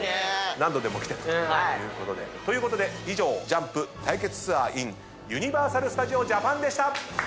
何度でも来てねと。ということでＪＵＭＰ対決ツアーインユニバーサル・スタジオ・ジャパンでした！